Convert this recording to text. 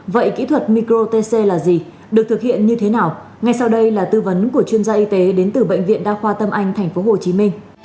vậy kỹ thuật micro tc là gì được thực hiện như thế nào ngay sau đây là tư vấn của chuyên gia y tế đến từ bệnh viện đa khoa tâm anh tp hcm